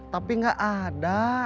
tapi gak ada